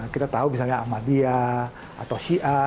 kita tahu misalnya ahmadiyah atau syia